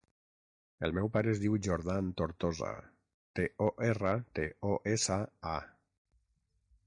El meu pare es diu Jordan Tortosa: te, o, erra, te, o, essa, a.